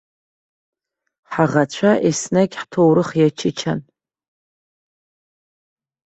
Ҳаӷацәа еснагь ҳҭоурых иачычан.